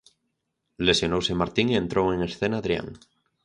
Lesionouse Martín e entrou en escena Adrián.